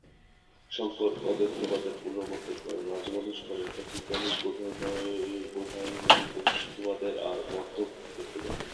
শঙ্কর অদ্বৈতবাদের পুনঃপ্রবর্তন করেন, রামানুজ করেন প্রাচীনকালের বোধায়নের বিশিষ্টাদ্বৈতবাদের, আর মধ্ব দ্বৈতবাদের।